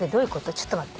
ちょっと待って。